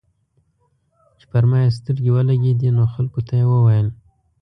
چې پر ما يې سترګې ولګېدې نو خلکو ته یې وويل.